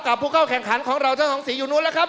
กับผู้เข้าแข่งขันของเราเจ้าหนองสีอยู่นู้นละครับ